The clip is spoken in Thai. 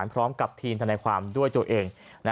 พร้อมกับทีมทนายความด้วยตัวเอง